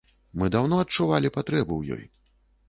Мы даўно адчувалі патрэбу ў ёй.